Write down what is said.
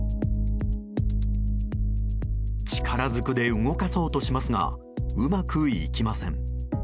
力ずくで動かそうとしますがうまくいきません。